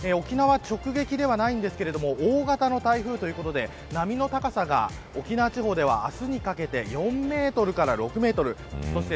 沖縄直撃ではないんですが大型の台風ということで波の高さが沖縄地方では明日にかけて４メートルから６メートル